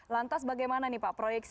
lantas bagaimana nih pak proyeksi